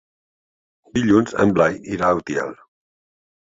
Dilluns en Blai irà a Utiel.